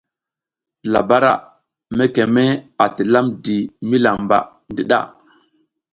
Labara mekeme a tilamdimi lamba ndiɗa.